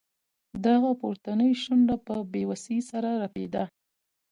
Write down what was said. د هغه پورتنۍ شونډه په بې وسۍ سره رپیده